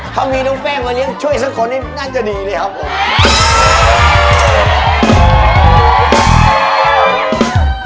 ถ้ามีน้องแป้งมาเลี้ยงช่วยสักคนนี่น่าจะดีเลยครับผม